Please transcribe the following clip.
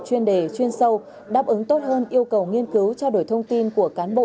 chuyên đề chuyên sâu đáp ứng tốt hơn yêu cầu nghiên cứu trao đổi thông tin của cán bộ